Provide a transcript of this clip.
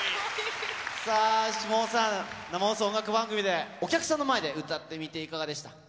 さあ、下尾さん、生放送音楽番組で、お客さんの前で歌ってみて、いかがでした？